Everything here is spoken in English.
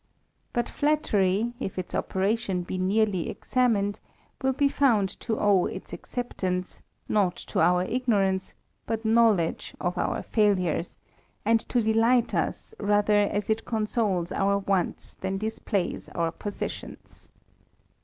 But flattery, if its operation be nearly examined, will be found to owe its acceptance, not to our ignorance but knowledge of our failures, and lo delight us rather as it consoles our wants than displays our possessions.